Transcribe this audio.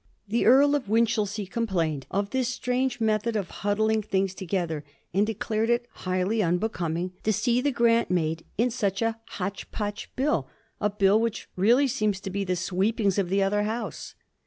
The Earl of Winchelsea complained of this strange method of huddling things together, and declared it highly unbe coming to see the grant made '^ in such a hotch potch Bill — a Bill which really seems to be the sweepings of the other House."